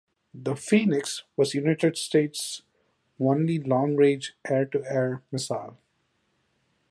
The Phoenix was the United States' only long-range air-to-air missile.